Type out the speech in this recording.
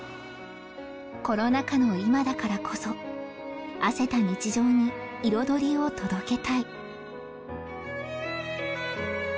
コロナ禍の今だからこそあせた日常に彩りを届けたい。